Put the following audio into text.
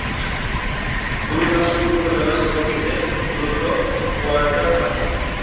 গুরুদাসপুর উপজেলা সদর থেকে দুরত্ব কোয়ার্টার মাইল।